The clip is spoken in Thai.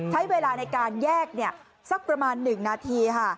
ใช้เวลาในการแยกสักประมาณ๑นาทีค่ะ